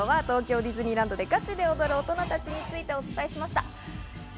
今日は東京ディズニーランドでガチで踊る大人たちについてお伝えしました。